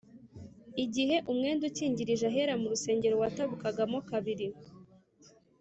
igihe umwenda ukingirije ahera mu rusengero watabukagamo kabiri